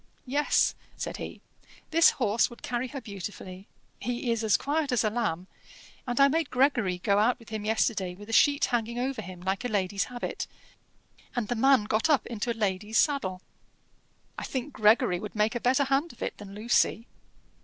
"Yes," said he. "This horse would carry her beautifully: he is as quiet as a lamb, and I made Gregory go out with him yesterday with a sheet hanging over him like a lady's habit, and the man got up into a lady's saddle." "I think Gregory would make a better hand of it than Lucy."